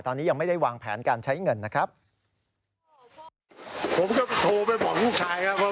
ตอนนี้ยังไม่ได้วางแผนการใช้เงินนะครับ